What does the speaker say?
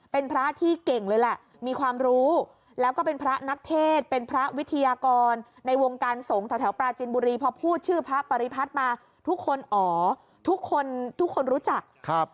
เป็นพระที่เก่งเลยแหละมีความรู้แล้วก็เป็นพระนักเทศเป็นพระวิทยากรในวงการสงฆ์แถวปราจินบุรีพอพูดชื่อพระปริพัฒน์มาทุกคนอ๋อทุกคนทุกคนรู้จักครับ